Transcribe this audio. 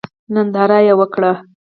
ننداره وکړئ.